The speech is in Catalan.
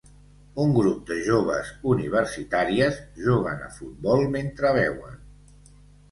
Un grup de joves universitàries juguen a futbol mentre beuen.